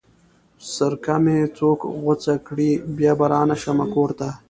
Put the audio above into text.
سر که مې څوک غوڅ کړې بيا به رانشمه کور ته